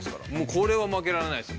これは負けられないです。